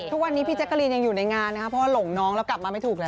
ทุกวันนี้พี่แจ๊กกะรีนยังอยู่ในงานนะครับเพราะว่าหลงน้องแล้วกลับมาไม่ถูกแล้ว